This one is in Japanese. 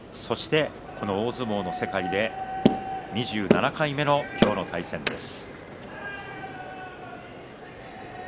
大相撲の世界で２７回目の今日の対戦です。